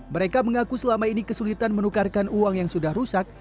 mereka mengaku selama ini kesulitan menukarkan uang yang sudah rusak